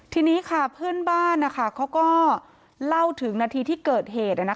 ทีนี้ค่ะเพื่อนบ้านเขาก็เล่าถึงนาทีที่เกิดเหตุ